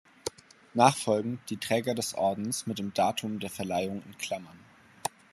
Nachfolgend die Träger des Ordens, mit dem Datum der Verleihung in Klammern.